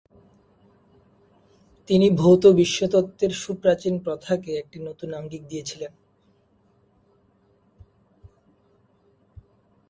তিনি ভৌত বিশ্বতত্ত্বের সুপ্রাচীন প্রথাকে একটি নতুন আঙ্গিক দিয়েছিলেন।